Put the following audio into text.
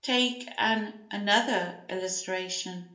Take an another illustration.